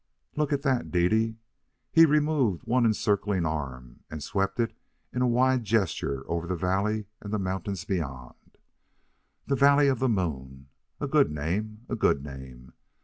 "Look at that, Dede." He removed one encircling arm and swept it in a wide gesture over the valley and the mountains beyond. "The Valley of the Moon a good name, a good name.